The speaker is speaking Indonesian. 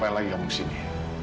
mengapa lagi kamu kesini